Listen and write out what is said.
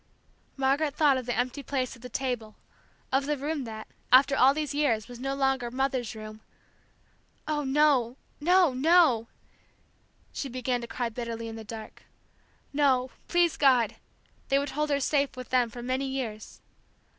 Margaret thought of the empty place at the table, of the room that, after all these years, was no longer "Mother's room " Oh, no no no! She began to cry bitterly in the dark. No, please God, they would hold her safe with them for many years.